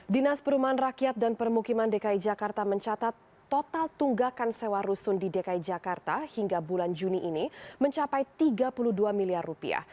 dinas perumahan rakyat dan permukiman dki jakarta mencatat total tunggakan sewa rusun di dki jakarta hingga bulan juni ini mencapai tiga puluh dua miliar rupiah